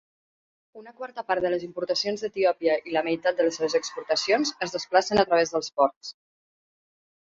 Una quarta part de les importacions d'Etiòpia i la meitat de les seves exportacions es desplacen a través dels ports.